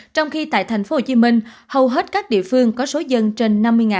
trong khi tại tp hcm hầu hết các địa phương có số dân trên năm mươi